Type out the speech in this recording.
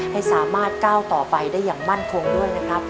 ให้สามารถก้าวต่อไปได้อย่างมั่นคงด้วยนะครับ